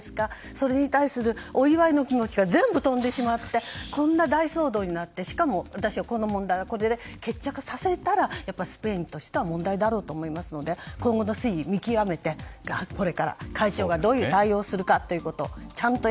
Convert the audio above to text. それに対するお祝いの気持ちが全部飛んでしまってこんな大騒動になってしかも、私はこの問題はこれで決着させたらスペインとしては問題だと思いますので今後の推移を見極めてあっ！